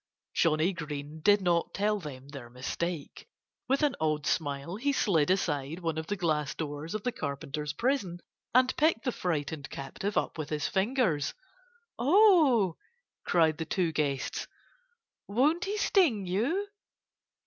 Johnnie Green did not tell them their mistake. With an odd smile he slid aside one of the glass doors of the Carpenter's prison and picked the frightened captive up with his fingers. "Oh!" cried the two guests. "Won't he sting you?"